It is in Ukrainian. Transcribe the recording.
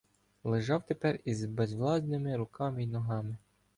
Лежав тепер із безвладними руками й ногами.